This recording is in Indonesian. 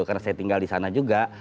karena saya tinggal di sana juga